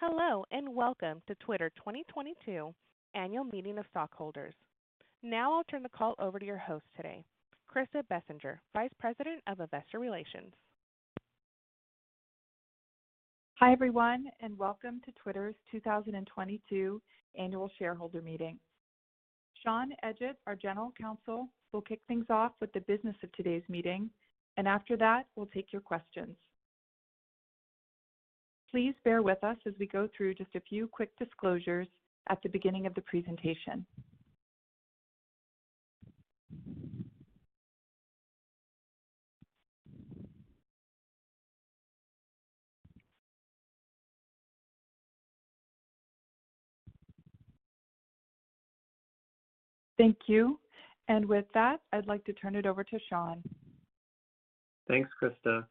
Hello, and welcome to Twitter 2022 Annual Meeting of Stockholders. Now I'll turn the call over to your host today, Krista Bessinger, Vice President of Investor Relations. Hi, everyone, and welcome to Twitter's 2022 Annual Shareholder Meeting. Sean Edgett, our General Counsel, will kick things off with the business of today's meeting, and after that, we'll take your questions. Please bear with us as we go through just a few quick disclosures at the beginning of the presentation. Thank you. With that, I'd like to turn it over to Sean. Thanks, Krista.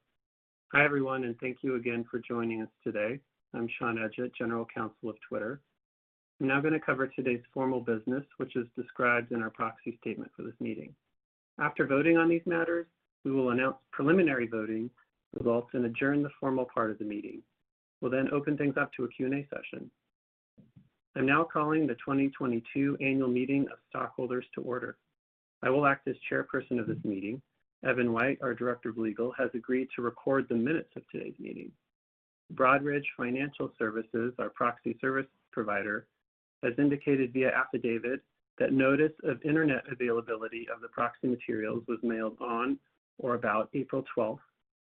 Hi, everyone, and thank you again for joining us today. I'm Sean Edgett, General Counsel of Twitter. I'm now gonna cover today's formal business, which is described in our proxy statement for this meeting. After voting on these matters, we will announce preliminary voting results and adjourn the formal part of the meeting. We'll then open things up to a Q&A session. I'm now calling the 2022 Annual Meeting of Stockholders to order. I will act as chairperson of this meeting. Evan White, our Director of Legal, has agreed to record the minutes of today's meeting. Broadridge Financial Solutions, our proxy service provider, has indicated via affidavit that notice of internet availability of the proxy materials was mailed on or about April 12th,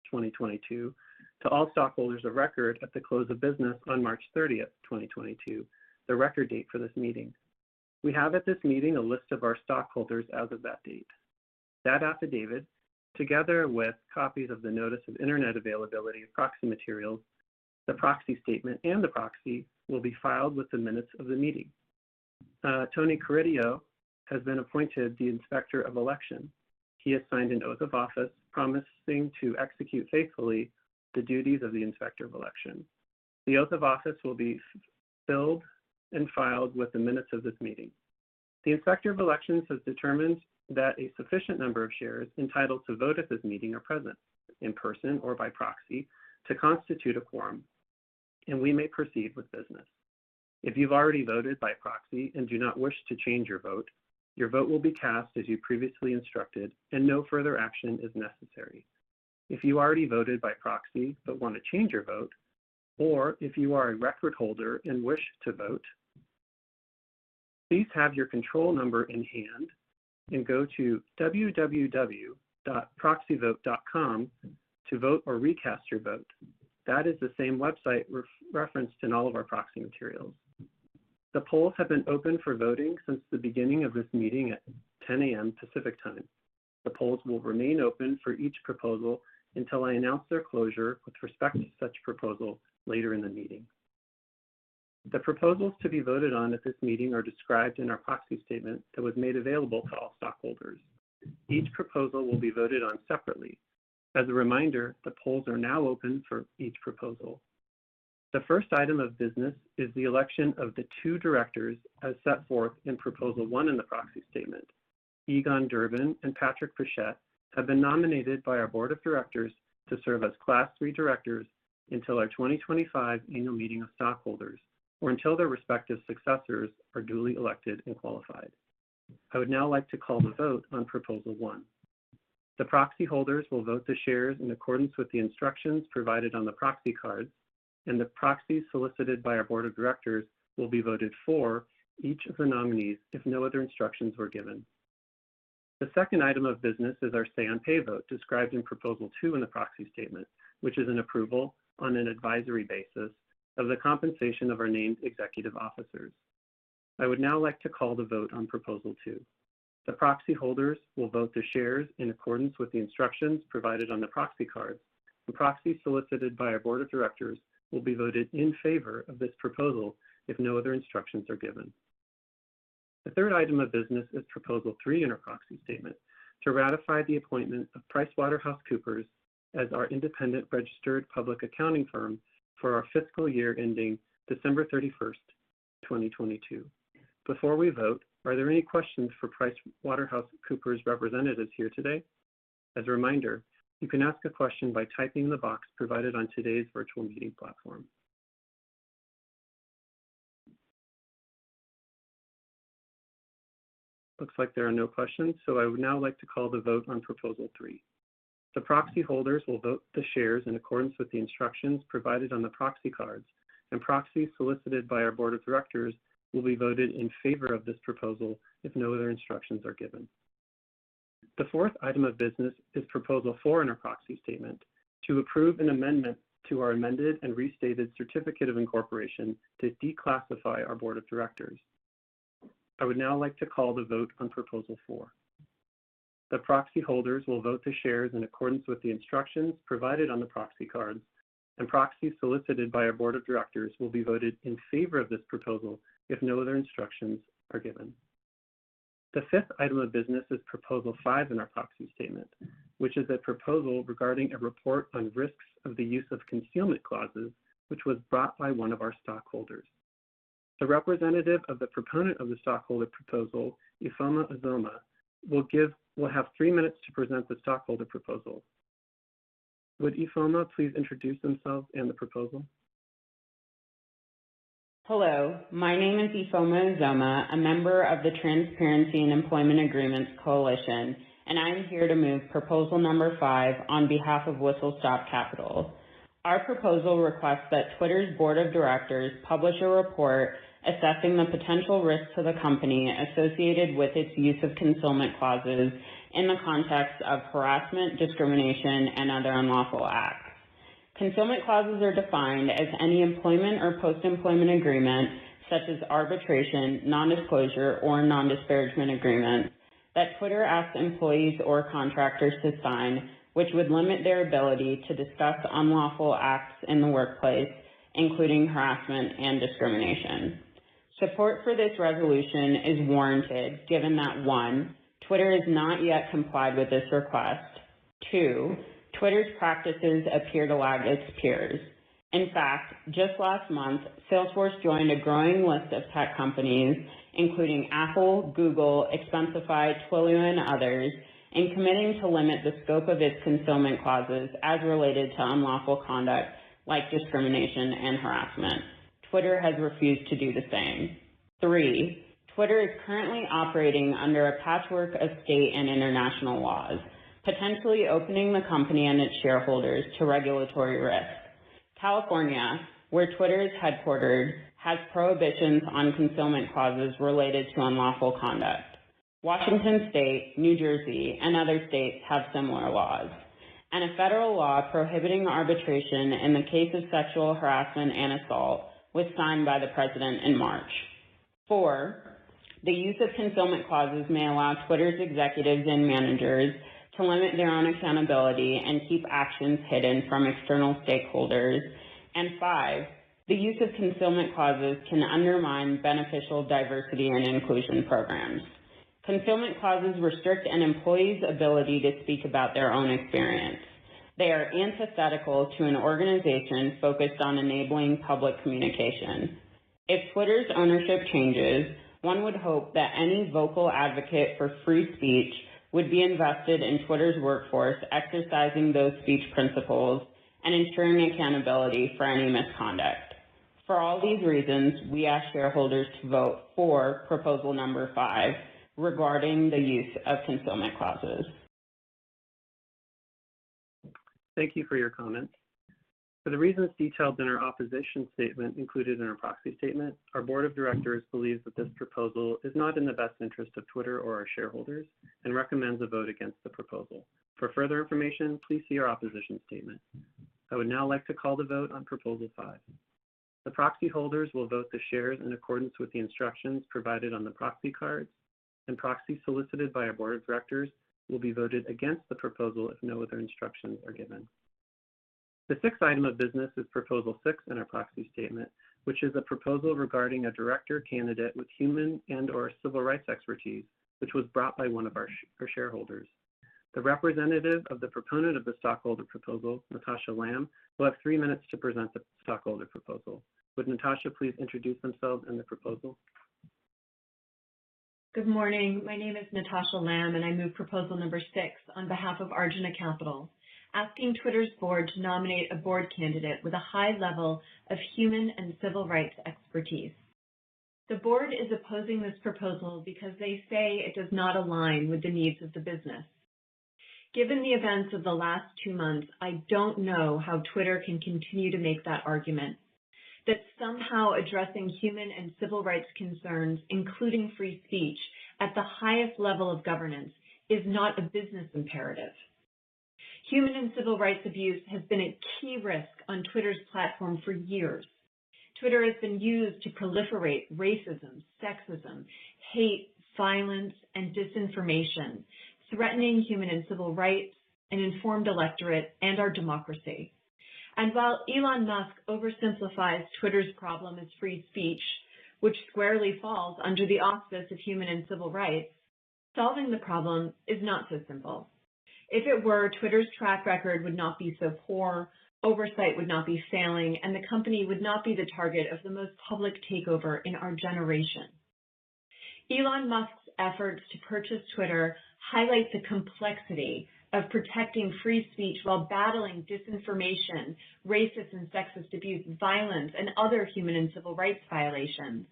2022 to all stockholders of record at the close of business on March 30th, 2022, the record date for this meeting. We have at this meeting a list of our stockholders as of that date. That affidavit, together with copies of the notice of internet availability of proxy materials, the proxy statement, and the proxy will be filed with the minutes of the meeting. Tony Carideo has been appointed the Inspector of Election. He has signed an oath of office promising to execute faithfully the duties of the Inspector of Election. The oath of office will be filled and filed with the minutes of this meeting. The Inspector of Election has determined that a sufficient number of shares entitled to vote at this meeting are present in person or by proxy to constitute a quorum, and we may proceed with business. If you've already voted by proxy and do not wish to change your vote, your vote will be cast as you previously instructed, and no further action is necessary. If you already voted by proxy but wanna change your vote, or if you are a record holder and wish to vote, please have your control number in hand and go to www.proxyvote.com to vote or recast your vote. That is the same website referenced in all of our proxy materials. The polls have been open for voting since the beginning of this meeting at 10:00 A.M. Pacific Time. The polls will remain open for each proposal until I announce their closure with respect to such proposal later in the meeting. The proposals to be voted on at this meeting are described in our proxy statement that was made available to all stockholders. Each proposal will be voted on separately. As a reminder, the polls are now open for each proposal. The first item of business is the election of the two directors as set forth in proposal one in the proxy statement. Egon Durban and Patrick Pichette have been nominated by our board of directors to serve as Class III directors until our 2025 Annual Meeting of Stockholders or until their respective successors are duly elected and qualified. I would now like to call the vote on proposal one. The proxy holders will vote the shares in accordance with the instructions provided on the proxy cards, and the proxies solicited by our board of directors will be voted for each of the nominees if no other instructions were given. The second item of business is our say on pay vote described in Proposal 2 in the proxy statement, which is an approval on an advisory basis of the compensation of our named executive officers. I would now like to call the vote on Proposal 2. The proxy holders will vote the shares in accordance with the instructions provided on the proxy cards, and proxies solicited by our board of directors will be voted in favor of this proposal if no other instructions are given. The third item of business is Proposal 3 in our proxy statement to ratify the appointment of PricewaterhouseCoopers as our independent registered public accounting firm for our fiscal year ending December 31st, 2022. Before we vote, are there any questions for PricewaterhouseCoopers representatives here today? As a reminder, you can ask a question by typing in the box provided on today's virtual meeting platform. Looks like there are no questions, so I would now like to call the vote on Proposal 3. The proxy holders will vote the shares in accordance with the instructions provided on the proxy cards, and proxies solicited by our board of directors will be voted in favor of this proposal if no other instructions are given. The fourth item of business is roposal four in our proxy statement to approve an amendment to our amended and restated certificate of incorporation to declassify our board of directors. I would now like to call the vote on Proposal 4. The proxy holders will vote the shares in accordance with the instructions provided on the proxy cards, and proxies solicited by our board of directors will be voted in favor of this proposal if no other instructions are given. The fifth item of business is Proposal 5 in our proxy statement, which is a proposal regarding a report on risks of the use of concealment clauses, which was brought by one of our stockholders. The representative of the proponent of the stockholder proposal, Ifeoma Ozoma, will have three minutes to present the stockholder proposal. Would Ifeoma please introduce themselves and the proposal? Hello, my name is Ifeoma Ozoma, a member of the Transparency in Employment Agreements Coalition, and I'm here to move proposal number five on behalf of Whistle Stop Capital. Our proposal requests that Twitter's board of directors publish a report assessing the potential risks to the company associated with its use of concealment clauses in the context of harassment, discrimination, and other unlawful acts. Concealment clauses are defined as any employment or post-employment agreement, such as arbitration, non-disclosure, or non-disparagement agreement that Twitter asks employees or contractors to sign, which would limit their ability to discuss unlawful acts in the workplace, including harassment and discrimination. Support for this resolution is warranted given that, one, Twitter has not yet complied with this request. Two, Twitter's practices appear to lag its peers. In fact, just last month, Salesforce joined a growing list of tech companies, including Apple, Google, Expensify, Twilio, and others in committing to limit the scope of its concealment clauses as related to unlawful conduct like discrimination and harassment. Twitter has refused to do the same. Three, Twitter is currently operating under a patchwork of state and international laws, potentially opening the company and its shareholders to regulatory risk. California, where Twitter is headquartered, has prohibitions on concealment clauses related to unlawful conduct. Washington State, New Jersey, and other states have similar laws, and a federal law prohibiting arbitration in the case of sexual harassment and assault was signed by the President in March. Four, The use of concealment clauses may allow Twitter's executives and managers to limit their own accountability and keep actions hidden from external stakeholders. Five, the use of concealment clauses can undermine beneficial diversity and inclusion programs. Concealment clauses restrict an employee's ability to speak about their own experience. They are antithetical to an organization focused on enabling public communication. If Twitter's ownership changes, one would hope that any vocal advocate for free speech would be invested in Twitter's workforce exercising those speech principles and ensuring accountability for any misconduct. For all these reasons, we ask shareholders to vote for proposal number five regarding the use of concealment clauses. Thank you for your comments. For the reasons detailed in our opposition statement included in our proxy statement, our board of directors believes that this proposal is not in the best interest of Twitter or our shareholders and recommends a vote against the proposal. For further information, please see our opposition statement. I would now like to call the vote on Proposal 5. The proxy holders will vote the shares in accordance with the instructions provided on the proxy cards, and proxies solicited by our board of directors will be voted against the proposal if no other instructions are given. The 6th item of business is Proposal 6 in our proxy statement, which is a proposal regarding a director candidate with human and/or civil rights expertise, which was brought by one of our shareholders. The representative of the proponent of the stockholder proposal, Natasha Lamb, will have three minutes to present the stockholder proposal. Would Natasha please introduce themselves and the proposal? Good morning. My name is Natasha Lamb, and I move proposal number 6 on behalf of Arjuna Capital, asking Twitter's board to nominate a board candidate with a high level of human and civil rights expertise. The board is opposing this proposal because they say it does not align with the needs of the business. Given the events of the last two months, I don't know how Twitter can continue to make that argument that somehow addressing human and civil rights concerns, including free speech at the highest level of governance, is not a business imperative. Human and civil rights abuse has been a key risk on Twitter's platform for years. Twitter has been used to proliferate racism, sexism, hate, violence, and disinformation, threatening human and civil rights, an informed electorate, and our democracy. While Elon Musk oversimplifies Twitter's problem as free speech, which squarely falls under the office of human and civil rights, solving the problem is not so simple. If it were, Twitter's track record would not be so poor, oversight would not be failing, and the company would not be the target of the most public takeover in our generation. Elon Musk's efforts to purchase Twitter highlight the complexity of protecting free speech while battling disinformation, racist and sexist abuse, violence, and other human and civil rights violations.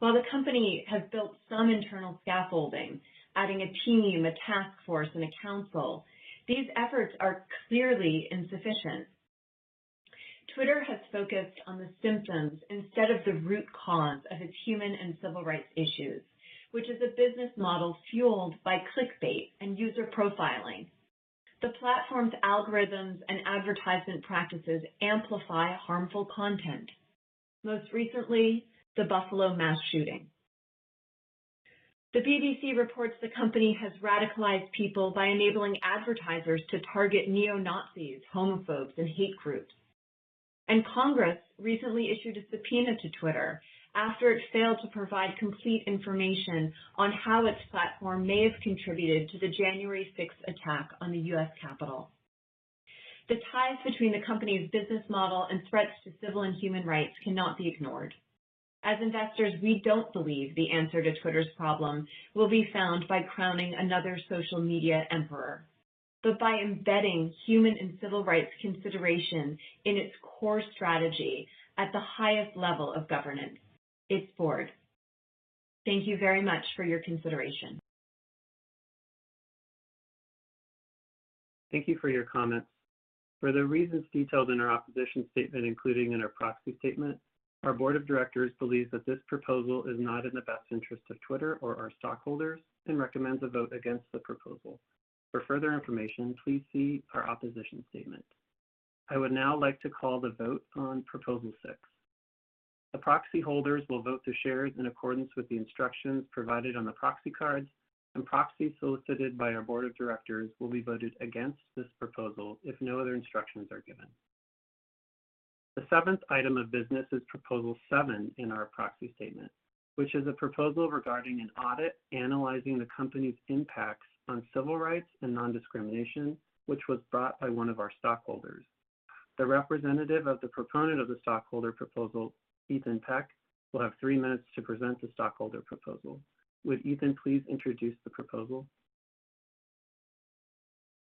While the company has built some internal scaffolding, adding a team, a task force, and a council, these efforts are clearly insufficient. Twitter has focused on the symptoms instead of the root cause of its human and civil rights issues, which is a business model fueled by clickbait and user profiling. The platform's algorithms and advertisement practices amplify harmful content. Most recently, the Buffalo mass shooting. The BBC reports the company has radicalized people by enabling advertisers to target neo-Nazis, homophobes, and hate groups. Congress recently issued a subpoena to Twitter after it failed to provide complete information on how its platform may have contributed to the January 6th attack on the U.S. Capitol. The ties between the company's business model and threats to civil and human rights cannot be ignored. As investors, we don't believe the answer to Twitter's problem will be found by crowning another social media emperor, but by embedding human and civil rights consideration in its core strategy at the highest level of governance, its board. Thank you very much for your consideration. Thank you for your comments. For the reasons detailed in our opposition statement, including in our proxy statement, our board of directors believes that this proposal is not in the best interest of Twitter or our stockholders, and recommends a vote against the proposal. For further information, please see our opposition statement. I would now like to call the vote on Proposal 6. The proxy holders will vote their shares in accordance with the instructions provided on the proxy cards, and proxies solicited by our board of directors will be voted against this proposal if no other instructions are given. The seventh item of business is Proposal 7 in our proxy statement, which is a proposal regarding an audit analyzing the company's impacts on civil rights and non-discrimination, which was brought by one of our stockholders. The representative of the proponent of the stockholder proposal, Ethan Peck, will have three minutes to present the stockholder proposal. Would Ethan please introduce the proposal?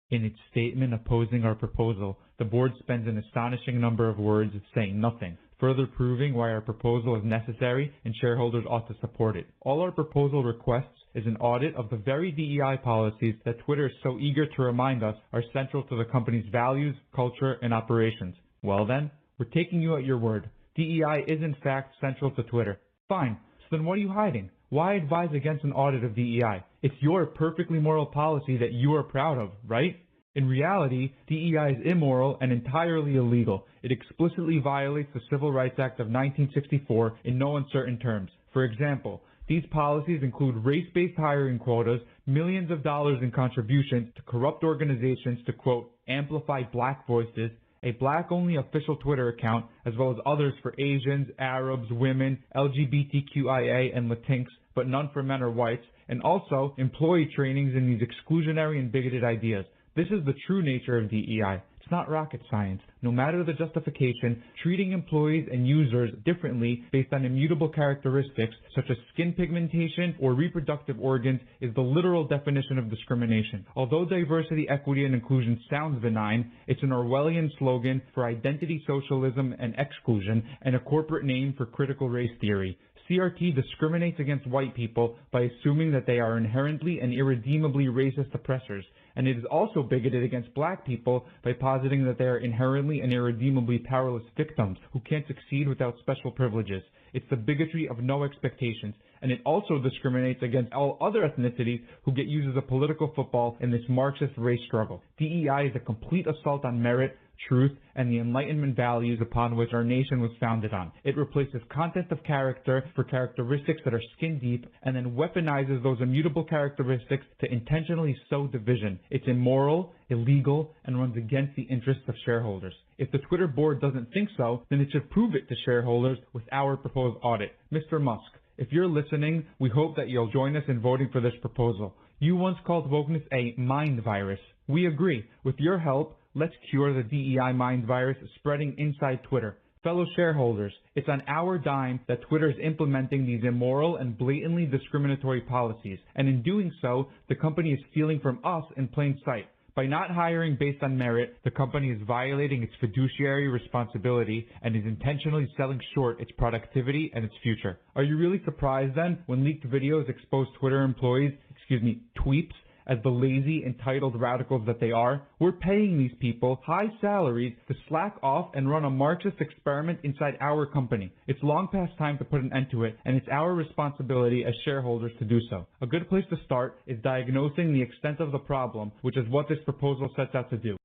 In its statement opposing our proposal, the board spends an astonishing number of words saying nothing, further proving why our proposal is necessary and shareholders ought to support it. All our proposal requests is an audit of the very DEI policies that Twitter is so eager to remind us are central to the company's values, culture, and operations. Well then, we're taking you at your word. DEI is in fact central to Twitter. Fine. What are you hiding? Why advise against an audit of DEI? It's your perfectly moral policy that you are proud of, right? In reality, DEI is immoral and entirely illegal. It explicitly violates the Civil Rights Act of 1964 in no uncertain terms. For example, these policies include race-based hiring quotas, $ millions in contributions to corrupt organizations to, quote, "amplify black voices," a black-only official Twitter account, as well as others for Asians, Arabs, women, LGBTQIA and Latinx, but none for men or whites, and also employee trainings in these exclusionary and bigoted ideas. This is the true nature of DEI. It's not rocket science. No matter the justification, treating employees and users differently based on immutable characteristics such as skin pigmentation or reproductive organs is the literal definition of discrimination. Although diversity, equity, and inclusion sounds benign, it's an Orwellian slogan for identity socialism and exclusion, and a corporate name for critical race theory. CRT discriminates against white people by assuming that they are inherently and irredeemably racist oppressors, and it is also bigoted against black people by positing that they are inherently and irredeemably powerless victims who can't succeed without special privileges. It's the bigotry of no expectations, and it also discriminates against all other ethnicities who get used as a political football in this Marxist race struggle. DEI is a complete assault on merit, truth, and the enlightenment values upon which our nation was founded on. It replaces content of character for characteristics that are skin deep and then weaponizes those immutable characteristics to intentionally sow division. It's immoral, illegal, and runs against the interests of shareholders. If the Twitter board doesn't think so, then it should prove it to shareholders with our proposed audit. Mr. Musk, if you're listening, we hope that you'll join us in voting for this proposal. You once called wokeness a mind virus. We agree. With your help, let's cure the DEI mind virus spreading inside Twitter. Fellow shareholders, it's on our dime that Twitter is implementing these immoral and blatantly discriminatory policies, and in doing so, the company is stealing from us in plain sight. By not hiring based on merit, the company is violating its fiduciary responsibility and is intentionally selling short its productivity and its future. Are you really surprised then when leaked videos expose Twitter employees, excuse me, tweets, as the lazy, entitled radicals that they are? We're paying these people high salaries to slack off and run a Marxist experiment inside our company. It's long past time to put an end to it, and it's our responsibility as shareholders to do so. A good place to start is diagnosing the extent of the problem, which is what this proposal sets out to do.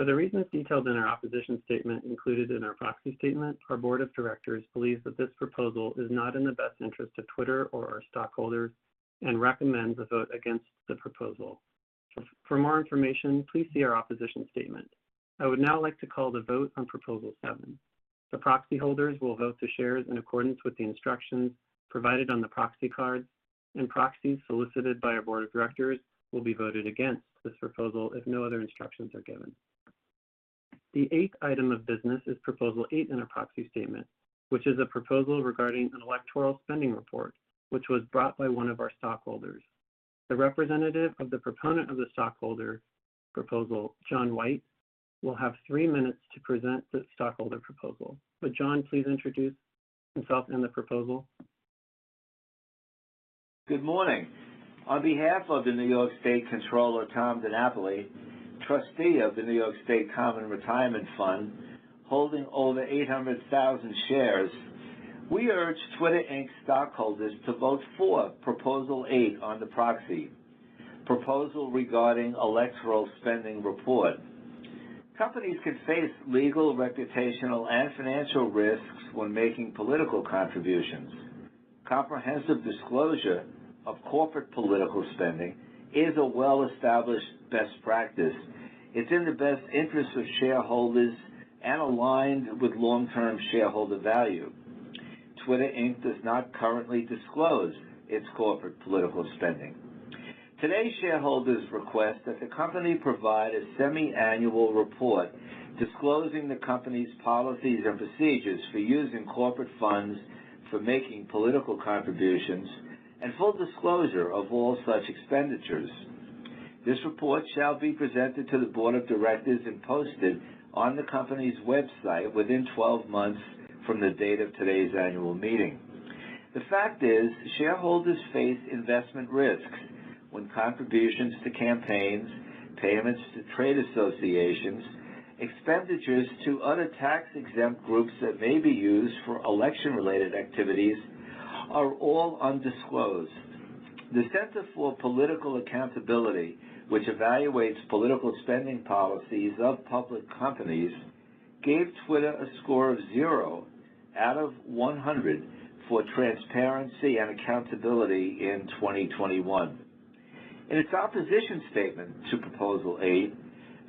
For the reasons detailed in our opposition statement included in our proxy statement, our board of directors believes that this proposal is not in the best interest of Twitter or our stockholders and recommends a vote against the proposal. For more information, please see our opposition statement. I would now like to call the vote on Proposal 7. The proxy holders will vote their shares in accordance with the instructions provided on the proxy cards, and proxies solicited by our board of directors will be voted against this proposal if no other instructions are given. The 8th item of business is Proposal 8 in our proxy statement, which is a proposal regarding an electoral spending report, which was brought by one of our stockholders. The representative of the proponent of the stockholder proposal, John White, will have three minutes to present the stockholder proposal. Would John please introduce himself and the proposal? Good morning. On behalf of the New York State Comptroller, Tom DiNapoli, Trustee of the New York State Common Retirement Fund, holding over 800,000 shares, we urge Twitter, Inc. stockholders to vote for Proposal 8 on the proxy, Proposal Regarding Electoral Spending Report. Companies can face legal, reputational, and financial risks when making political contributions. Comprehensive disclosure of corporate political spending is a well-established best practice. It's in the best interest of shareholders and aligned with long-term shareholder value. Twitter, Inc. does not currently disclose its corporate political spending. Today, shareholders request that the company provide a semi-annual report disclosing the company's policies and procedures for using corporate funds for making political contributions and full disclosure of all such expenditures. This report shall be presented to the board of directors and posted on the company's website within 12 months from the date of today's annual meeting. The fact is shareholders face investment risks when contributions to campaigns, payments to trade associations, expenditures to other tax-exempt groups that may be used for election-related activities are all undisclosed. The Center for Political Accountability, which evaluates political spending policies of public companies, gave Twitter a score of zero out of 100 for transparency and accountability in 2021. In its opposition statement to Proposal 8,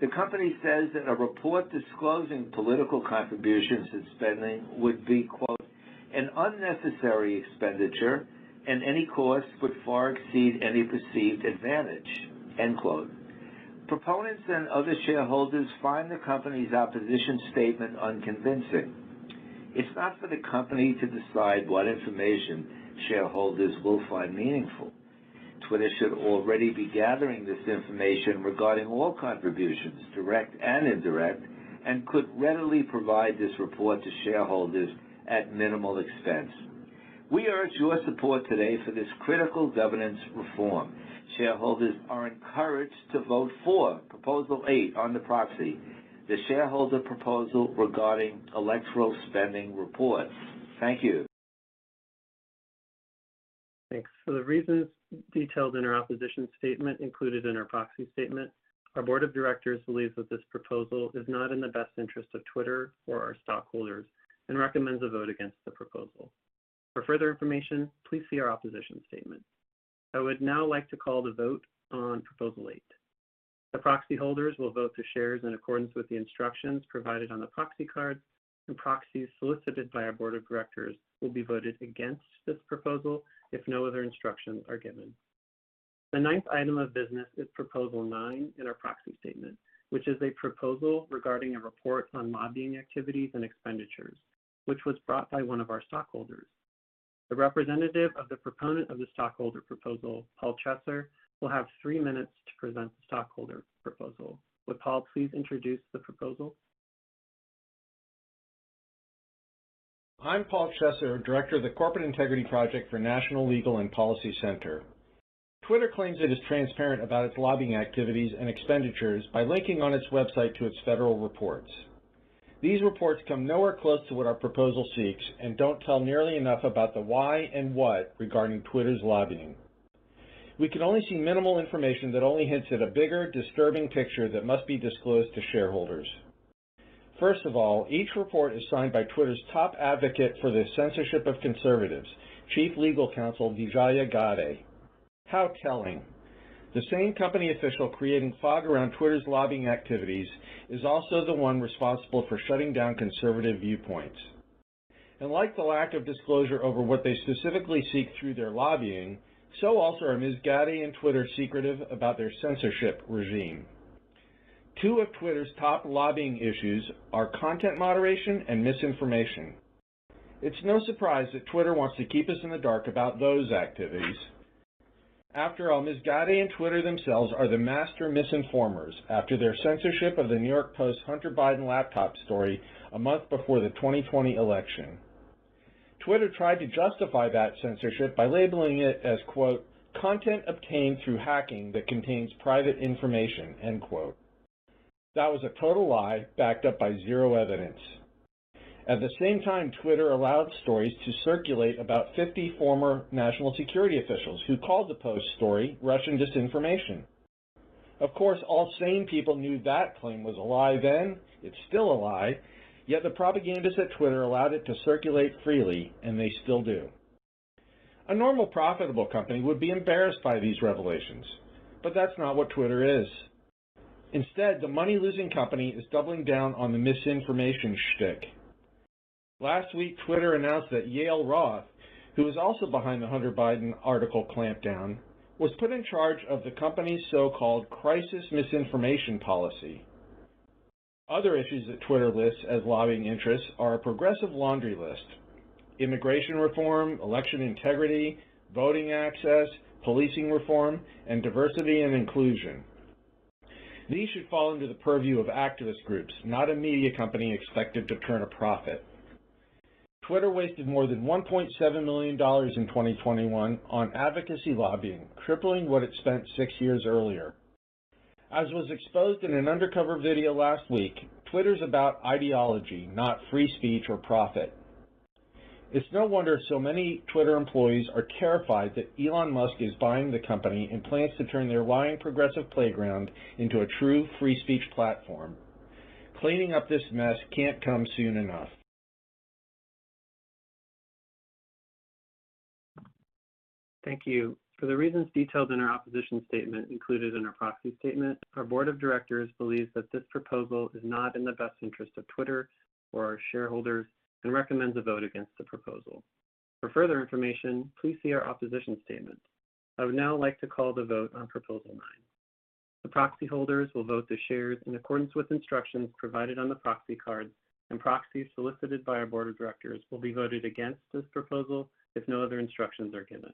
the company says that a report disclosing political contributions and spending would be, quote, "An unnecessary expenditure and any cost would far exceed any perceived advantage." End quote. Proponents and other shareholders find the company's opposition statement unconvincing. It's not for the company to decide what information shareholders will find meaningful. Twitter should already be gathering this information regarding all contributions, direct and indirect, and could readily provide this report to shareholders at minimal expense. We urge your support today for this critical governance reform. Shareholders are encouraged to vote for Proposal 8 on the proxy, the shareholder proposal regarding electoral spending reports. Thank you. Thanks. For the reasons detailed in our opposition statement included in our proxy statement, our board of directors believes that this proposal is not in the best interest of Twitter or our stockholders and recommends a vote against the proposal. For further information, please see our opposition statement. I would now like to call the vote on Proposal 8. The proxy holders will vote the shares in accordance with the instructions provided on the proxy card, and proxies solicited by our board of directors will be voted against this proposal if no other instructions are given. The ninth item of business is Proposal 9 in our proxy statement, which is a proposal regarding a report on lobbying activities and expenditures, which was brought by one of our stockholders. The representative of the proponent of the stockholder proposal, Paul Chesser, will have three minutes to present the stockholder proposal. Would Paul please introduce the proposal? I'm Paul Chesser, Director of the Corporate Integrity Project for National Legal and Policy Center. Twitter claims it is transparent about its lobbying activities and expenditures by linking on its website to its federal reports. These reports come nowhere close to what our proposal seeks and don't tell nearly enough about the why and what regarding Twitter's lobbying. We can only see minimal information that only hints at a bigger, disturbing picture that must be disclosed to shareholders. First of all, each report is signed by Twitter's top advocate for the censorship of conservatives, Chief Legal Counsel, Vijaya Gadde. How telling. The same company official creating fog around Twitter's lobbying activities is also the one responsible for shutting down conservative viewpoints. Like the lack of disclosure over what they specifically seek through their lobbying, so also are Ms. Gadde and Twitter secretive about their censorship regime. Two of Twitter's top lobbying issues are content moderation and misinformation. It's no surprise that Twitter wants to keep us in the dark about those activities. After all, Ms. Gadde and Twitter themselves are the master misinformers after their censorship of the New York Post Hunter Biden laptop story a month before the 2020 election. Twitter tried to justify that censorship by labeling it as, quote, "Content obtained through hacking that contains private information." End quote. That was a total lie backed up by 0 evidence. At the same time, Twitter allowed stories to circulate about 50 former national security officials who called the Post story Russian disinformation. Of course, all sane people knew that claim was a lie then. It's still a lie. Yet the propagandists at Twitter allowed it to circulate freely, and they still do. A normal, profitable company would be embarrassed by these revelations, but that's not what Twitter is. Instead, the money-losing company is doubling down on the misinformation shtick. Last week, Twitter announced that Yoel Roth, who was also behind the Hunter Biden article clampdown, was put in charge of the company's so-called Crisis Misinformation Policy. Other issues that Twitter lists as lobbying interests are a progressive laundry list, immigration reform, election integrity, voting access, policing reform, and diversity and inclusion. These should fall under the purview of activist groups, not a media company expected to turn a profit. Twitter wasted more than $1.7 million in 2021 on advocacy lobbying, crippling what it spent six years earlier. As was exposed in an undercover video last week, Twitter's about ideology, not free speech or profit. It's no wonder so many Twitter employees are terrified that Elon Musk is buying the company and plans to turn their lying progressive playground into a true free speech platform. Cleaning up this mess can't come soon enough. Thank you. For the reasons detailed in our opposition statement included in our proxy statement, our Board of Directors believes that this proposal is not in the best interest of Twitter or our shareholders and recommends a vote against the proposal. For further information, please see our opposition statement. I would now like to call the vote on Proposal 9. The proxy holders will vote the shares in accordance with instructions provided on the proxy cards, and proxies solicited by our Board of Directors will be voted against this proposal if no other instructions are given.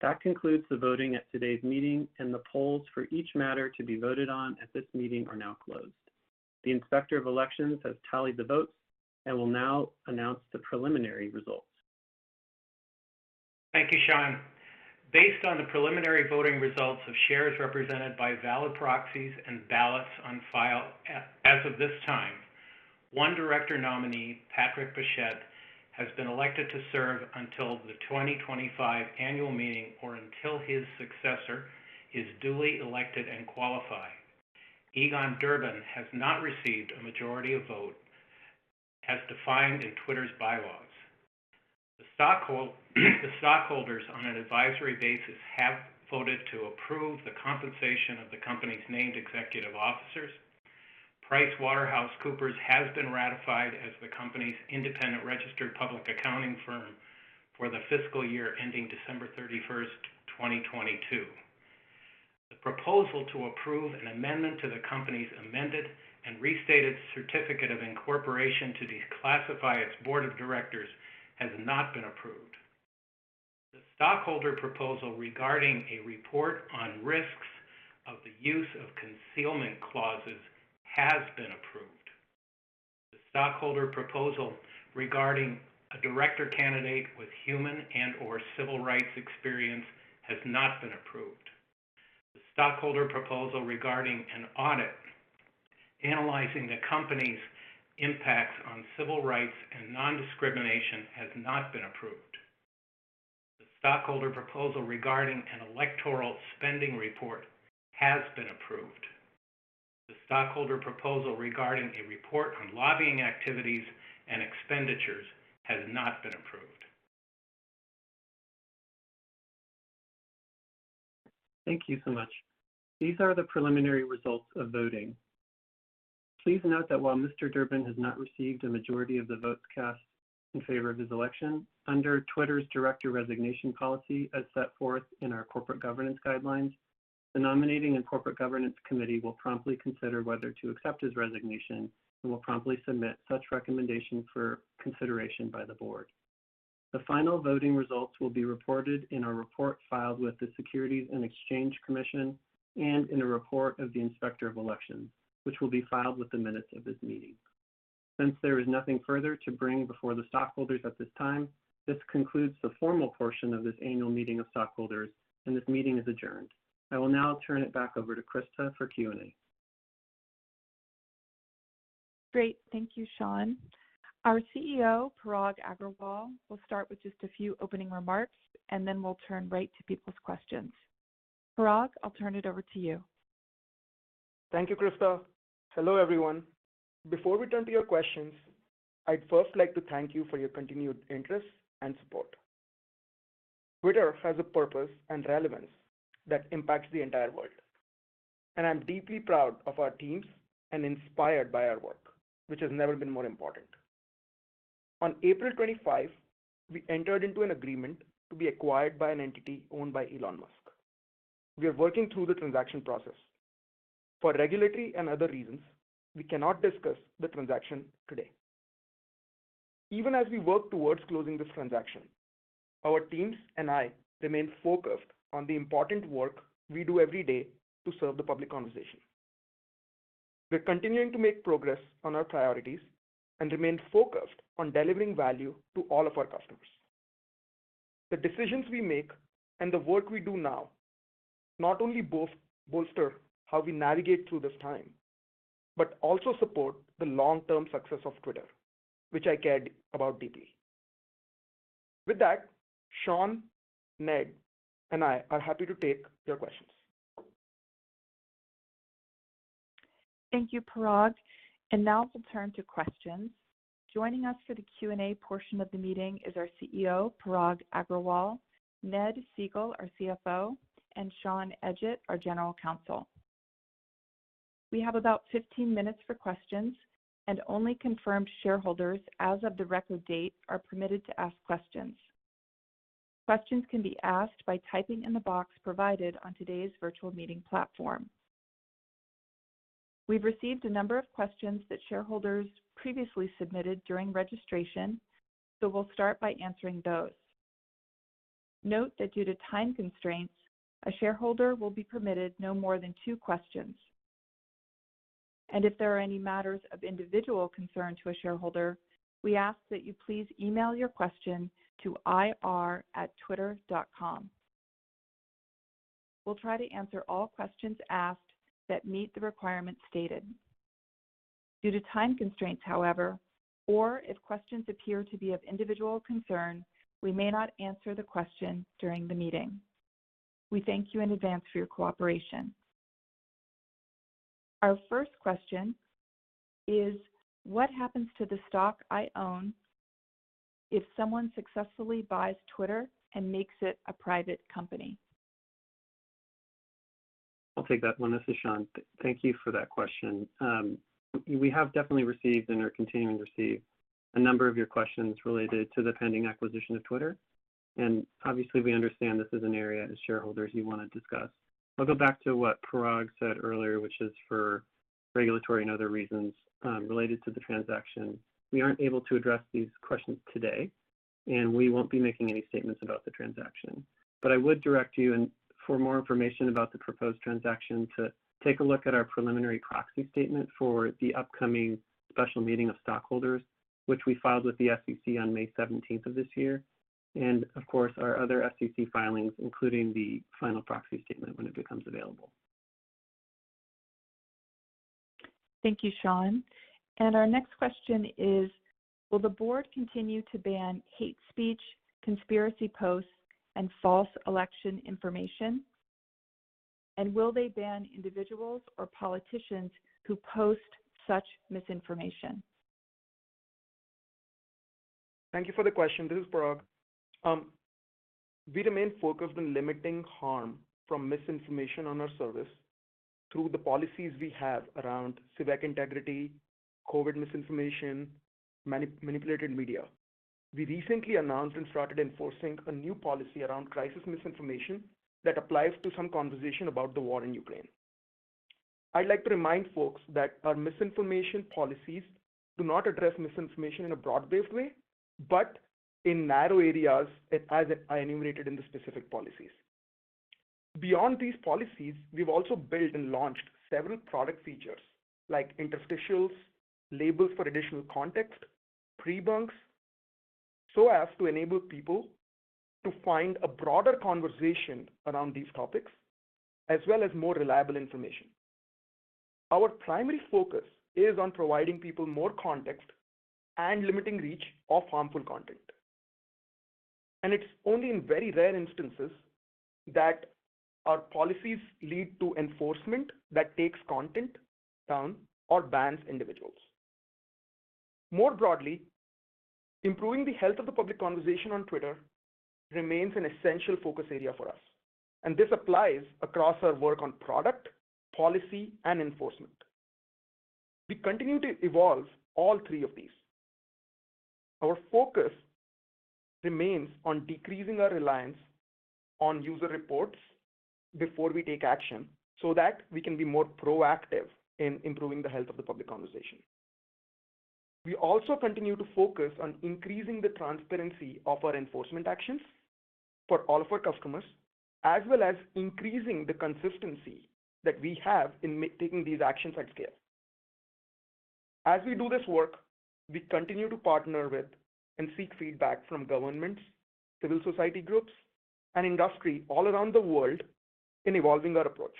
That concludes the voting at today's meeting, and the polls for each matter to be voted on at this meeting are now closed. The Inspector of Elections has tallied the votes and will now announce the preliminary results. Thank you, Sean. Based on the preliminary voting results of shares represented by valid proxies and ballots on file as of this time, one director nominee, Patrick Pichette, has been elected to serve until the 2025 annual meeting or until his successor is duly elected and qualified. Egon Durban has not received a majority of votes as defined in Twitter's bylaws. The stockholders on an advisory basis have voted to approve the compensation of the company's named executive officers. PricewaterhouseCoopers has been ratified as the company's independent registered public accounting firm for the fiscal year ending December 31st, 2022. The proposal to approve an amendment to the company's amended and restated certificate of incorporation to declassify its board of directors has not been approved. The stockholder proposal regarding a report on risks of the use of concealment clauses has been approved. The stockholder proposal regarding a director candidate with human and/or civil rights experience has not been approved. The stockholder proposal regarding an audit analyzing the company's impacts on civil rights and non-discrimination has not been approved. The stockholder proposal regarding an electoral spending report has been approved. The stockholder proposal regarding a report on lobbying activities and expenditures has not been approved. Thank you so much. These are the preliminary results of voting. Please note that while Mr. Durban has not received a majority of the votes cast in favor of his election, under Twitter's director resignation policy, as set forth in our corporate governance guidelines, the Nominating and Corporate Governance Committee will promptly consider whether to accept his resignation and will promptly submit such recommendation for consideration by the board. The final voting results will be reported in a report filed with the Securities and Exchange Commission and in a report of the Inspector of Elections, which will be filed with the minutes of this meeting. Since there is nothing further to bring before the stockholders at this time, this concludes the formal portion of this annual meeting of stockholders, and this meeting is adjourned. I will now turn it back over to Krista for Q&A. Great. Thank you, Sean. Our CEO, Parag Agrawal, will start with just a few opening remarks, and then we'll turn right to people's questions. Parag, I'll turn it over to you. Thank you, Krista. Hello, everyone. Before we turn to your questions, I'd first like to thank you for your continued interest and support. Twitter has a purpose and relevance that impacts the entire world, and I'm deeply proud of our teams and inspired by our work, which has never been more important. On April 25, we entered into an agreement to be acquired by an entity owned by Elon Musk. We are working through the transaction process. For regulatory and other reasons, we cannot discuss the transaction today. Even as we work towards closing this transaction, our teams and I remain focused on the important work we do every day to serve the public conversation. We're continuing to make progress on our priorities and remain focused on delivering value to all of our customers. The decisions we make and the work we do now not only bolster how we navigate through this time, but also support the long-term success of Twitter, which I cared about deeply. With that, Sean, Ned, and I are happy to take your questions. Thank you, Parag. Now we'll turn to questions. Joining us for the Q&A portion of the meeting is our CEO, Parag Agrawal, Ned Segal, our CFO, and Sean Edgett, our General Counsel. We have about 15 minutes for questions and only confirmed shareholders as of the record date are permitted to ask questions. Questions can be asked by typing in the box provided on today's virtual meeting platform. We've received a number of questions that shareholders previously submitted during registration, so we'll start by answering those. Note that due to time constraints, a shareholder will be permitted no more than two questions. If there are any matters of individual concern to a shareholder, we ask that you please email your question to ir@twitter.com. We'll try to answer all questions asked that meet the requirements stated. Due to time constraints, however, or if questions appear to be of individual concern, we may not answer the question during the meeting. We thank you in advance for your cooperation. Our first question is, what happens to the stock I own if someone successfully buys Twitter and makes it a private company? I'll take that one. This is Sean. Thank you for that question. We have definitely received and are continuing to receive a number of your questions related to the pending acquisition of Twitter, and obviously we understand this is an area as shareholders you wanna discuss. I'll go back to what Parag said earlier, which is for regulatory and other reasons related to the transaction, we aren't able to address these questions today, and we won't be making any statements about the transaction. I would direct you, and for more information about the proposed transaction, to take a look at our preliminary proxy statement for the upcoming special meeting of stockholders, which we filed with the SEC on May seventeenth of this year, and of course, our other SEC filings, including the final proxy statement when it becomes available. Thank you, Sean. Our next question is, will the board continue to ban hate speech, conspiracy posts, and false election information? Will they ban individuals or politicians who post such misinformation? Thank you for the question. This is Parag. We remain focused on limiting harm from misinformation on our service through the policies we have around civic integrity, COVID misinformation, manipulated media. We recently announced and started enforcing a new policy around crisis misinformation that applies to some conversation about the war in Ukraine. I'd like to remind folks that our misinformation policies do not address misinformation in a broad-based way, but in narrow areas as I enumerated in the specific policies. Beyond these policies, we've also built and launched several product features like interstitials, labels for additional context, prebunks, so as to enable people to find a broader conversation around these topics, as well as more reliable information. Our primary focus is on providing people more context and limiting reach of harmful content. It's only in very rare instances that our policies lead to enforcement that takes content down or bans individuals. More broadly, improving the health of the public conversation on Twitter remains an essential focus area for us, and this applies across our work on product, policy, and enforcement. We continue to evolve all three of these. Our focus remains on decreasing our reliance on user reports before we take action, so that we can be more proactive in improving the health of the public conversation. We also continue to focus on increasing the transparency of our enforcement actions for all of our customers, as well as increasing the consistency that we have in taking these actions at scale. As we do this work, we continue to partner with and seek feedback from governments, civil society groups and industry all around the world in evolving our approach.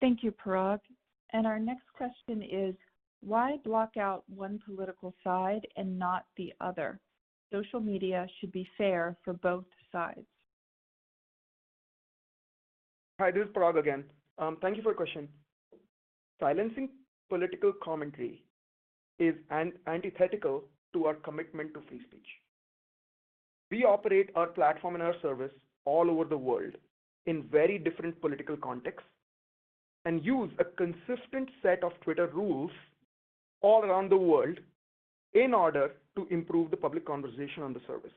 Thank you, Parag. Our next question is, why block out one political side and not the other? Social media should be fair for both sides. Hi, this is Parag again. Thank you for your question. Silencing political commentary is antithetical to our commitment to free speech. We operate our platform and our service all over the world in very different political contexts, and use a consistent set of Twitter rules all around the world in order to improve the public conversation on the service.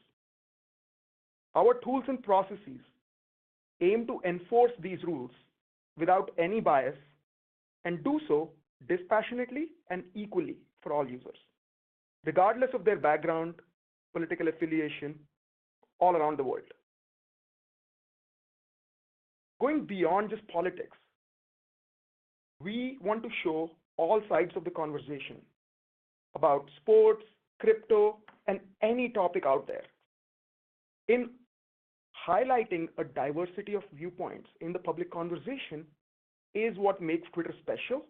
Our tools and processes aim to enforce these rules without any bias and do so dispassionately and equally for all users, regardless of their background, political affiliation, all around the world. Going beyond just politics, we want to show all sides of the conversation about sports, crypto, and any topic out there. In highlighting a diversity of viewpoints in the public conversation is what makes Twitter special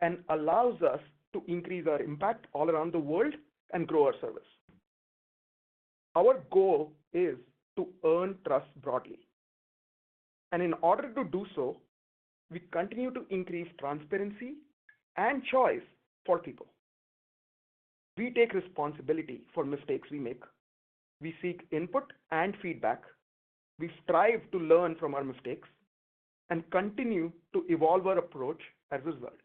and allows us to increase our impact all around the world and grow our service. Our goal is to earn trust broadly, and in order to do so, we continue to increase transparency and choice for people. We take responsibility for mistakes we make. We seek input and feedback. We strive to learn from our mistakes and continue to evolve our approach as a result.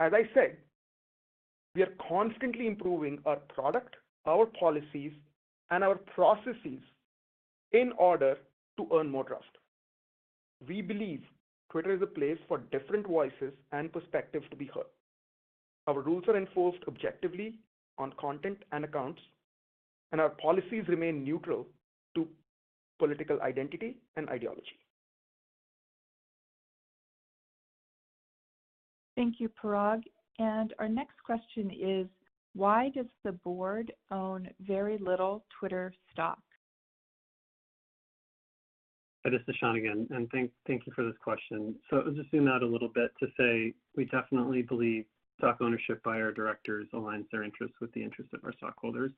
As I said, we are constantly improving our product, our policies, and our processes in order to earn more trust. We believe Twitter is a place for different voices and perspectives to be heard. Our rules are enforced objectively on content and accounts, and our policies remain neutral to political identity and ideology. Thank you, Parag. Our next question is, why does the board own very little Twitter stock? This is Sean again, and thank you for this question. To zoom out a little bit to say we definitely believe stock ownership by our directors aligns their interests with the interests of our stockholders.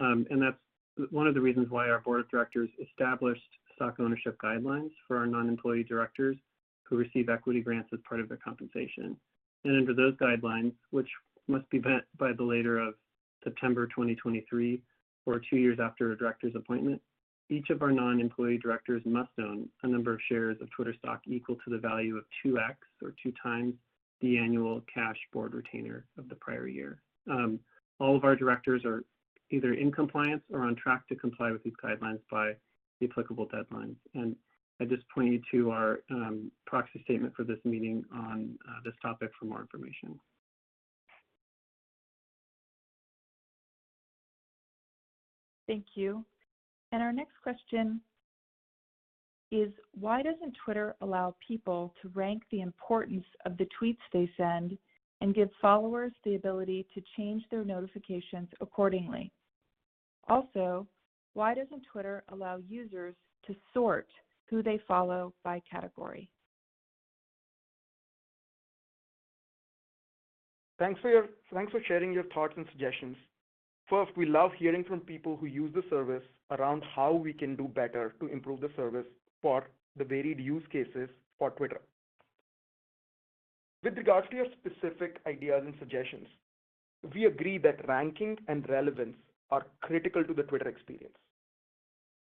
That's one of the reasons why our board of directors established stock ownership guidelines for our non-employee directors who receive equity grants as part of their compensation. Under those guidelines, which must be met by the later of September 2023 or two years after a director's appointment, each of our non-employee directors must own a number of shares of Twitter stock equal to the value of 2x or 2x the annual cash board retainer of the prior year. All of our directors are either in compliance or on track to comply with these guidelines by the applicable deadlines. I'd just point you to our proxy statement for this meeting on this topic for more information. Thank you. Our next question is: why doesn't Twitter allow people to rank the importance of the tweets they send and give followers the ability to change their notifications accordingly? Also, why doesn't Twitter allow users to sort who they follow by category? Thanks for sharing your thoughts and suggestions. First, we love hearing from people who use the service around how we can do better to improve the service for the varied use cases for Twitter. With regards to your specific ideas and suggestions, we agree that ranking and relevance are critical to the Twitter experience.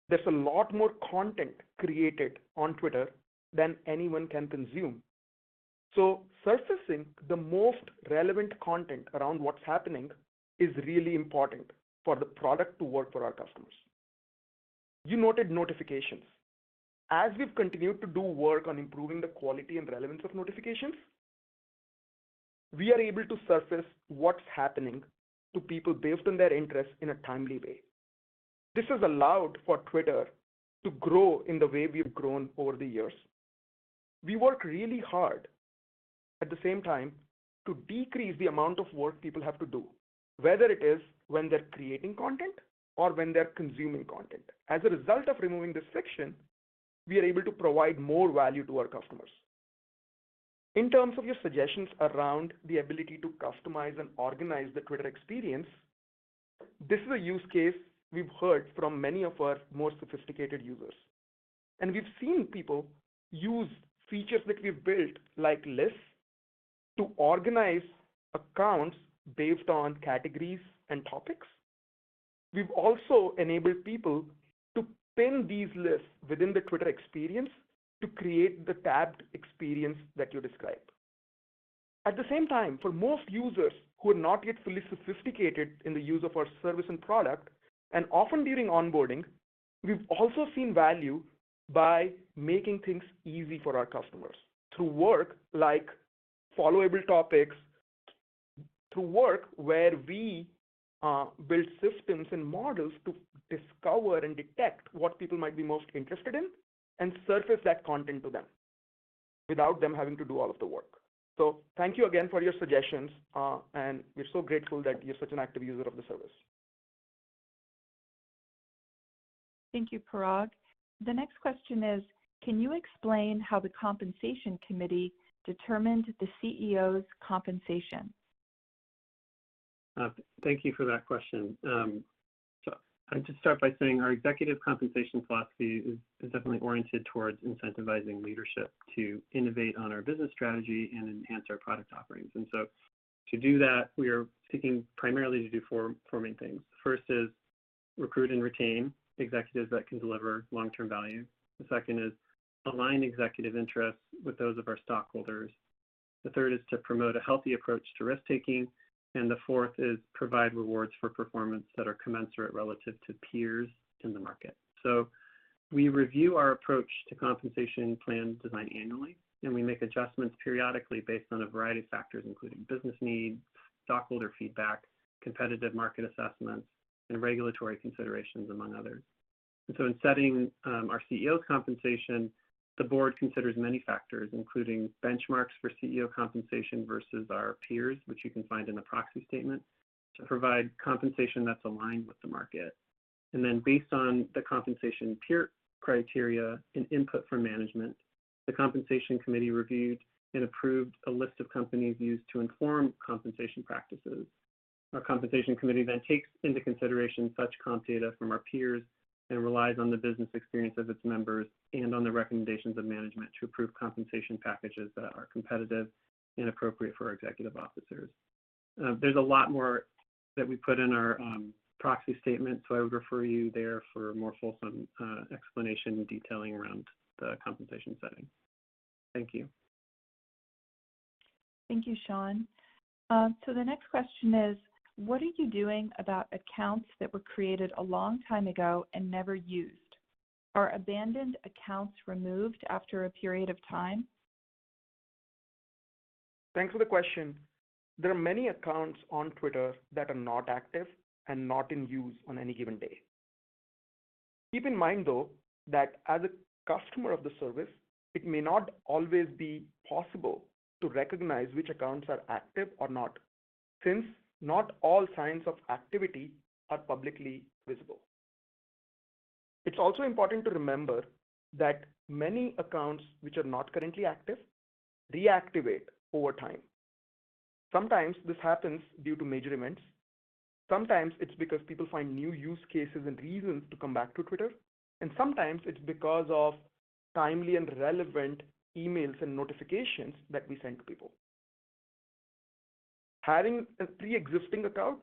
There's a lot more content created on Twitter than anyone can consume, so surfacing the most relevant content around what's happening is really important for the product to work for our customers. You noted notifications. As we've continued to do work on improving the quality and relevance of notifications, we are able to surface what's happening to people based on their interests in a timely way. This has allowed for Twitter to grow in the way we have grown over the years. We work really hard at the same time to decrease the amount of work people have to do, whether it is when they're creating content or when they're consuming content. As a result of removing this friction, we are able to provide more value to our customers. In terms of your suggestions around the ability to customize and organize the Twitter experience, this is a use case we've heard from many of our more sophisticated users, and we've seen people use features that we've built, like lists, to organize accounts based on categories and topics. We've also enabled people to pin these lists within the Twitter experience to create the tabbed experience that you describe. At the same time, for most users who are not yet fully sophisticated in the use of our service and product, and often during onboarding, we've also seen value by making things easy for our customers to work like followable topics, to work where we build systems and models to discover and detect what people might be most interested in and surface that content to them without them having to do all of the work. Thank you again for your suggestions. We're so grateful that you're such an active user of the service. Thank you, Parag. The next question is: can you explain how the compensation committee determined the CEO's compensation? Thank you for that question. I'd just start by saying our executive compensation philosophy is definitely oriented towards incentivizing leadership to innovate on our business strategy and enhance our product offerings. And so to do that, we are seeking primarily to do four main things. The first is recruit and retain executives that can deliver long-term value. The second is align executive interests with those of our stockholders. The third is to promote a healthy approach to risk-taking. And the fourth is provide rewards for performance that are commensurate relative to peers in the market. We review our approach to compensation plan design annually, and we make adjustments periodically based on a variety of factors, including business needs, stockholder feedback, competitive market assessments, and regulatory considerations, among others. In setting our CEO compensation, the board considers many factors, including benchmarks for CEO compensation versus our peers, which you can find in the proxy statement, to provide compensation that's aligned with the market. Based on the compensation peer criteria and input from management, the compensation committee reviewed and approved a list of companies used to inform compensation practices. Our compensation committee then takes into consideration such comp data from our peers and relies on the business experience of its members and on the recommendations of management to approve compensation packages that are competitive and appropriate for our executive officers. There's a lot more that we put in our proxy statement, so I would refer you there for a more fulsome explanation detailing around the compensation setting. Thank you. Thank you, Sean. The next question is: what are you doing about accounts that were created a long time ago and never used? Are abandoned accounts removed after a period of time? Thanks for the question. There are many accounts on Twitter that are not active and not in use on any given day. Keep in mind, though, that as a customer of the service, it may not always be possible to recognize which accounts are active or not, since not all signs of activity are publicly visible. It's also important to remember that many accounts which are not currently active reactivate over time. Sometimes this happens due to major events. Sometimes it's because people find new use cases and reasons to come back to Twitter, and sometimes it's because of timely and relevant emails and notifications that we send to people. Having a pre-existing account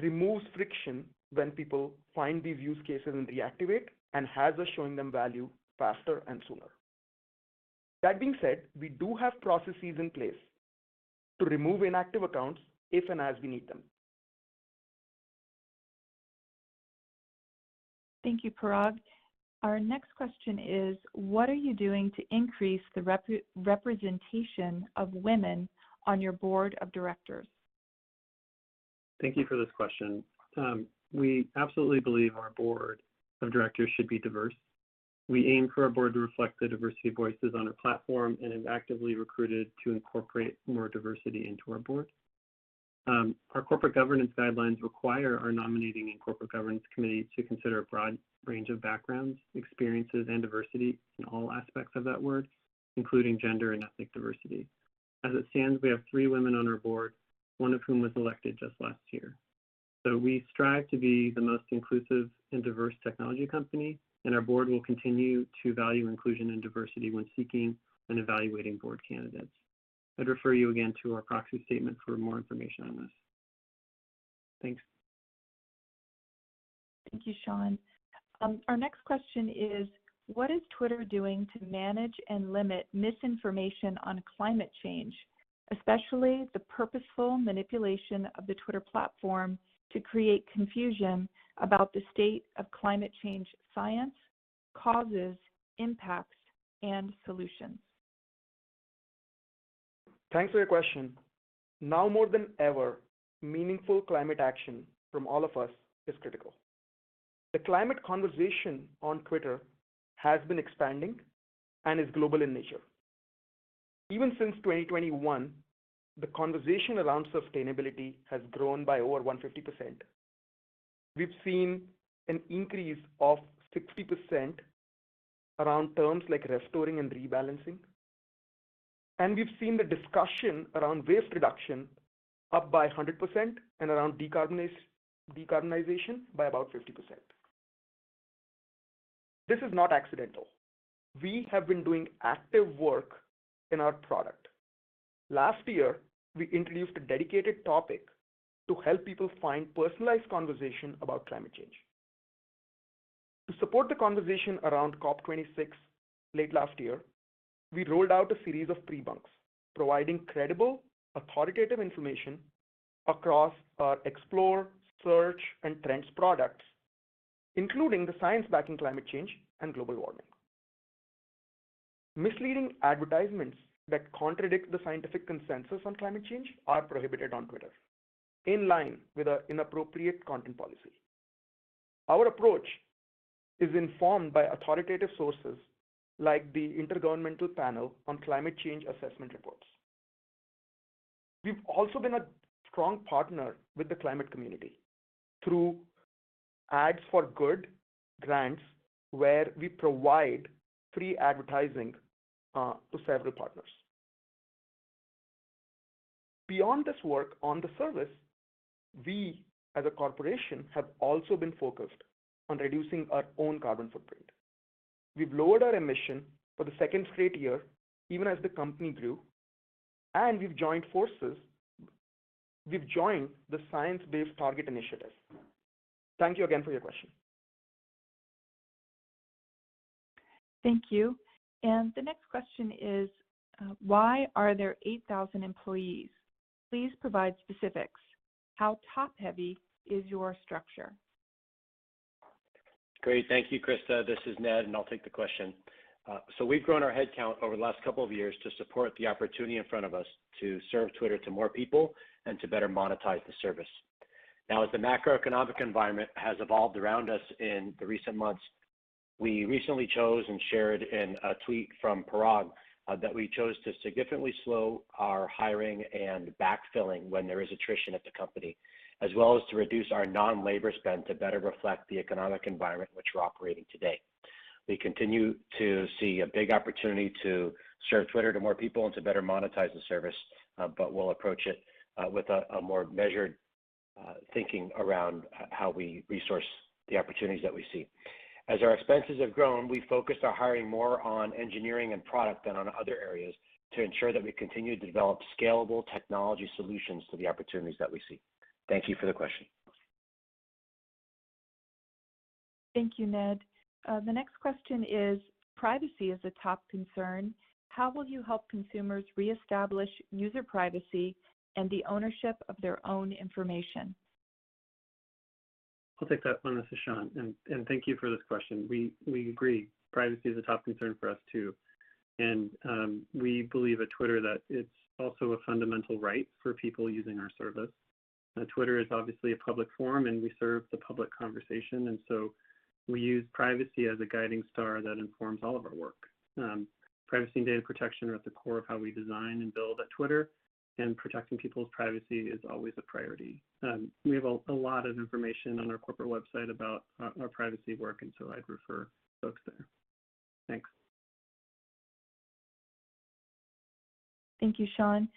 removes friction when people find these use cases and reactivate, and has us showing them value faster and sooner. That being said, we do have processes in place to remove inactive accounts if and as we need them. Thank you, Parag. Our next question is: What are you doing to increase the representation of women on your board of directors? Thank you for this question. We absolutely believe our board of directors should be diverse. We aim for our board to reflect the diversity of voices on our platform and have actively recruited to incorporate more diversity into our board. Our corporate governance guidelines require our Nominating and Corporate Governance Committee to consider a broad range of backgrounds, experiences, and diversity in all aspects of that word, including gender and ethnic diversity. As it stands, we have three women on our board, one of whom was elected just last year. We strive to be the most inclusive and diverse technology company, and our board will continue to value inclusion and diversity when seeking and evaluating board candidates. I'd refer you again to our proxy statement for more information on this. Thanks. Thank you, Sean. Our next question is: What is Twitter doing to manage and limit misinformation on climate change, especially the purposeful manipulation of the Twitter platform to create confusion about the state of climate change science, causes, impacts, and solutions? Thanks for your question. Now more than ever, meaningful climate action from all of us is critical. The climate conversation on Twitter has been expanding and is global in nature. Even since 2021, the conversation around sustainability has grown by over 150%. We've seen an increase of 60% around terms like restoring and rebalancing, and we've seen the discussion around waste reduction up by 100% and around decarbonization by about 50%. This is not accidental. We have been doing active work in our product. Last year, we introduced a dedicated topic to help people find personalized conversation about climate change. To support the conversation around COP26 late last year, we rolled out a series of prebunks providing credible, authoritative information across our Explore, Search, and Trends products, including the science backing climate change and global warming. Misleading advertisements that contradict the scientific consensus on climate change are prohibited on Twitter in line with our inappropriate content policy. Our approach is informed by authoritative sources like the Intergovernmental Panel on Climate Change Assessment Reports. We've also been a strong partner with the climate community through Ads for Good grants, where we provide free advertising to several partners. Beyond this work on the service, we as a corporation have also been focused on reducing our own carbon footprint. We've lowered our emission for the second straight year, even as the company grew, and we've joined the Science Based Targets initiative. Thank you again for your question. Thank you. The next question is: why are there 8,000 employees? Please provide specifics. How top-heavy is your structure? Great. Thank you, Krista. This is Ned, and I'll take the question. So we've grown our head count over the last couple of years to support the opportunity in front of us to serve Twitter to more people and to better monetize the service. Now, as the macroeconomic environment has evolved around us in the recent months, we recently chose and shared in a tweet from Parag, that we chose to significantly slow our hiring and backfilling when there is attrition at the company, as well as to reduce our non-labor spend to better reflect the economic environment in which we're operating today. We continue to see a big opportunity to serve Twitter to more people and to better monetize the service, but we'll approach it, with a more measured thinking around how we resource the opportunities that we see. As our expenses have grown, we've focused our hiring more on engineering and product than on other areas to ensure that we continue to develop scalable technology solutions to the opportunities that we see. Thank you for the question. Thank you, Ned. The next question is: Privacy is a top concern. How will you help consumers reestablish user privacy and the ownership of their own information? I'll take that one. This is Sean, and thank you for this question. We agree, privacy is a top concern for us too. We believe at Twitter that it's also a fundamental right for people using our service. Twitter is obviously a public forum, and we serve the public conversation, so we use privacy as a guiding star that informs all of our work. Privacy and data protection are at the core of how we design and build at Twitter, and protecting people's privacy is always a priority. We have a lot of information on our corporate website about our privacy work, so I'd refer folks there. Thanks. Thank you, Sean.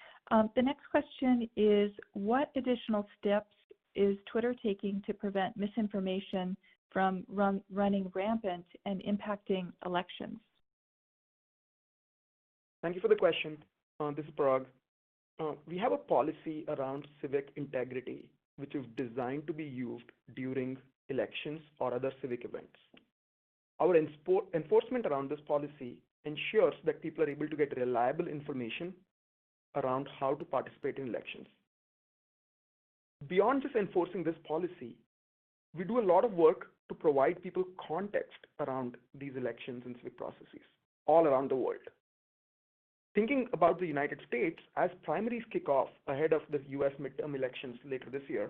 The next question is: What additional steps is Twitter taking to prevent misinformation from running rampant and impacting elections? Thank you for the question. This is Parag. We have a policy around civic integrity, which is designed to be used during elections or other civic events. Our enforcement around this policy ensures that people are able to get reliable information around how to participate in elections. Beyond just enforcing this policy, we do a lot of work to provide people context around these elections and civic processes all around the world. Thinking about the United States, as primaries kick off ahead of the U.S. midterm elections later this year,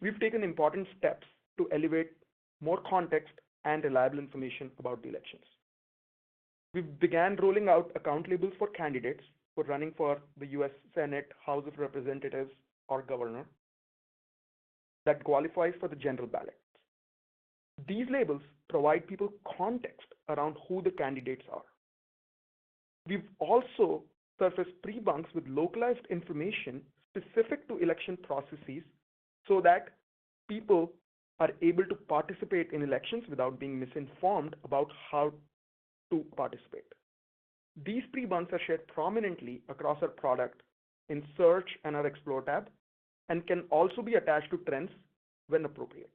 we've taken important steps to elevate more context and reliable information about the elections. We've began rolling out account labels for candidates who are running for the U.S. Senate, House of Representatives or governor that qualifies for the general ballots. These labels provide people context around who the candidates are. We've also surfaced prebunks with localized information specific to election processes so that people are able to participate in elections without being misinformed about how to participate. These prebunks are shared prominently across our product in search and our explore tab, and can also be attached to trends when appropriate.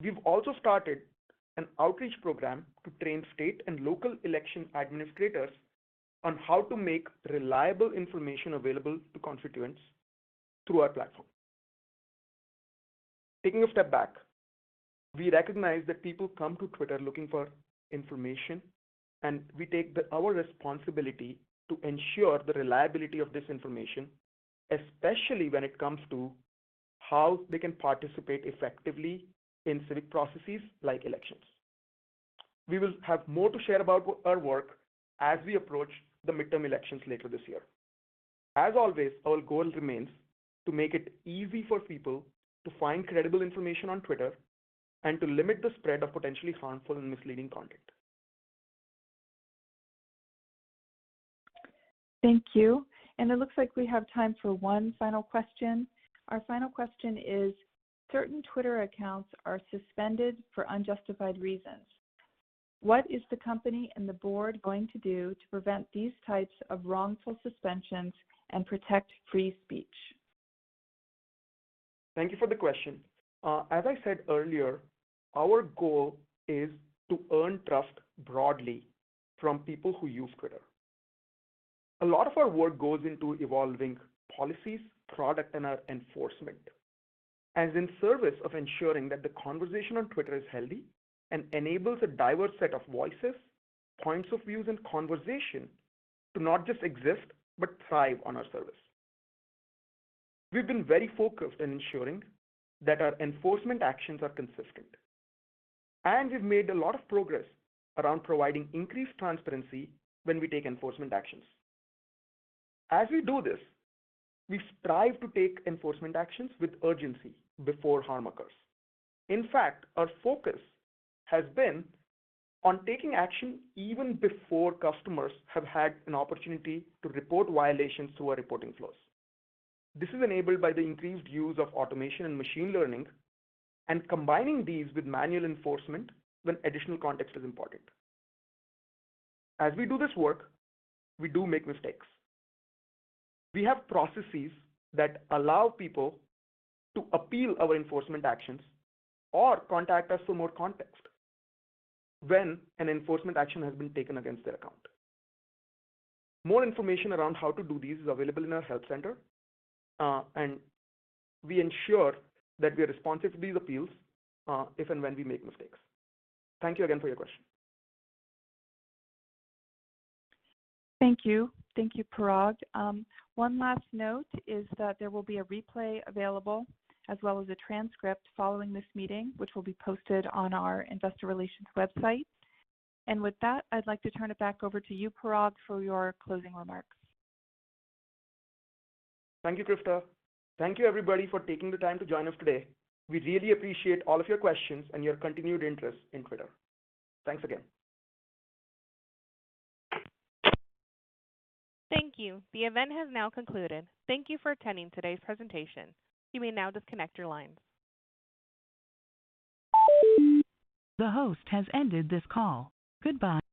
We've also started an outreach program to train state and local election administrators on how to make reliable information available to constituents through our platform. Taking a step back, we recognize that people come to Twitter looking for information, and we take our responsibility to ensure the reliability of this information, especially when it comes to how they can participate effectively in civic processes like elections. We will have more to share about our work as we approach the midterm elections later this year. As always, our goal remains to make it easy for people to find credible information on Twitter and to limit the spread of potentially harmful and misleading content. Thank you. It looks like we have time for one final question. Our final question is: Certain Twitter accounts are suspended for unjustified reasons. What is the company and the board going to do to prevent these types of wrongful suspensions and protect free speech? Thank you for the question. As I said earlier, our goal is to earn trust broadly from people who use Twitter. A lot of our work goes into evolving policies, product, and our enforcement, as in service of ensuring that the conversation on Twitter is healthy and enables a diverse set of voices, points of views, and conversation to not just exist, but thrive on our service. We've been very focused in ensuring that our enforcement actions are consistent, and we've made a lot of progress around providing increased transparency when we take enforcement actions. As we do this, we strive to take enforcement actions with urgency before harm occurs. In fact, our focus has been on taking action even before customers have had an opportunity to report violations through our reporting flows. This is enabled by the increased use of automation and machine learning, and combining these with manual enforcement when additional context is important. As we do this work, we do make mistakes. We have processes that allow people to appeal our enforcement actions or contact us for more context when an enforcement action has been taken against their account. More information around how to do this is available in our help center, and we ensure that we are responsive to these appeals, if and when we make mistakes. Thank you again for your question. Thank you. Thank you, Parag. One last note is that there will be a replay available as well as a transcript following this meeting, which will be posted on our investor relations website. With that, I'd like to turn it back over to you, Parag, for your closing remarks. Thank you, Krista. Thank you everybody for taking the time to join us today. We really appreciate all of your questions and your continued interest in Twitter. Thanks again. Thank you. The event has now concluded. Thank you for attending today's presentation. You may now disconnect your lines. The host has ended this call. Goodbye.